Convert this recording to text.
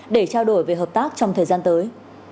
để trao đổi về hợp tác trong thời gian tới